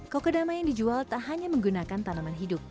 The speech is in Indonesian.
kokedama yang dijual tak hanya menggunakan tanaman hidup